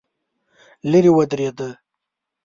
لرې ودرېده.